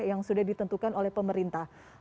yang sudah ditentukan oleh pemerintah